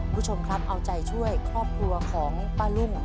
คุณผู้ชมครับเอาใจช่วยครอบครัวของป้ารุ่ง